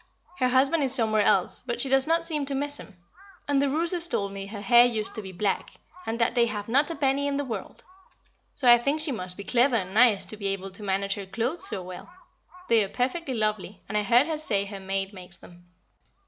Her husband is somewhere else, but she does not seem to miss him; and the Rooses told me her hair used to be black, and that they have not a penny in the world, so I think she must be clever and nice to be able to manage her clothes so well. They are perfectly lovely, and I heard her say her maid makes them.